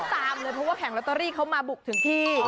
ตามเลยเพราะว่าแผงลอตเตอรี่เขามาบุกถึงที่